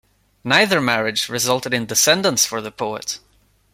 Neither marriage resulted in descendants for the poet.